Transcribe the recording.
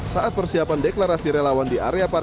saat persiapan deklarasi relawan di area parkir